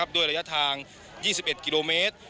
ด้วยระยะทาง๒๑กิโลเมตร